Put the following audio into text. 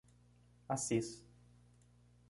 Assis